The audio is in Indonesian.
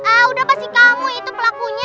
ah udah pasti kamu itu pelakunya